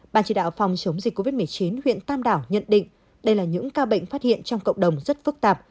bàn chỉ đạo phòng chống dịch covid một mươi chín huyện tam đảo nhận định đây là những ca bệnh phát hiện trong cộng đồng rất phức tạp